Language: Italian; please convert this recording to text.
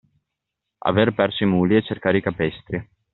Aver perso i muli e cercare i capestri.